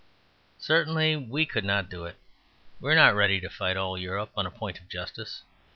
Certainly we could not do it. We are not ready to fight all Europe on a point of justice.